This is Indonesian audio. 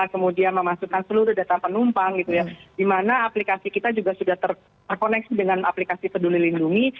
kemudian memasukkan seluruh data penumpang di mana aplikasi kita juga sudah terkoneksi dengan aplikasi peduli lindungi